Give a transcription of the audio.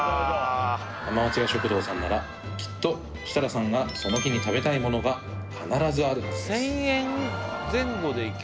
浜松屋食堂さんならきっと設楽さんがその日に食べたいものが必ずあるはずです